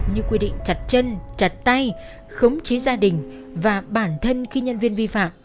như quy định chặt chân chặt tay khống chế gia đình và bản thân khi nhân viên vi phạm